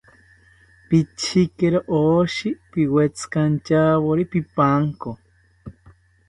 Pichekiro oshi, piwetzikanchawori pipanko